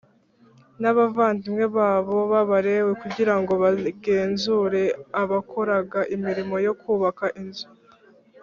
n abavandimwe babo b Abalewi kugira ngo bagenzure abakoraga imirimo yo kubaka inzu